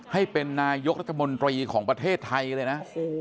ให้เป็นนายกรัฐมนตรีของประเทศไทยเลยนะ